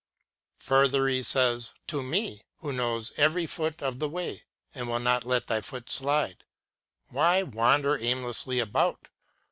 Further, He says " to me !" who knows every foot of the way, and will not let thy foot slide. Why wander aimlessly about